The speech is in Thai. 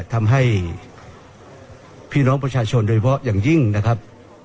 ทำให้พี่น้องประชาชนโดยเฉพาะอย่างยิ่งนะครับ